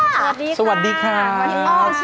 สวัสดีค่ะสวัสดีค่ะสวัสดีค่ะชิคกี้พายค่ะสวัสดีค่ะ